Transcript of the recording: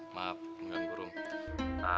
maaf enggak bu rum